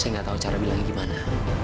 saya gak tau cara bilangnya gimana